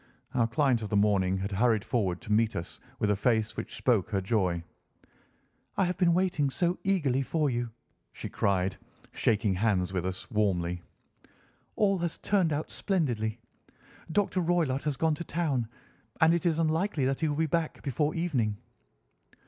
Our client of the morning had hurried forward to meet us with a face which spoke her joy. "I have been waiting so eagerly for you," she cried, shaking hands with us warmly. "All has turned out splendidly. Dr. Roylott has gone to town, and it is unlikely that he will be back before evening."